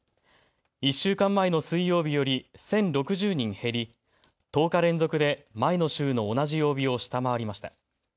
１週間前の水曜日より１０６０人減り１０日連続で前の週の同じ曜日を下回りました。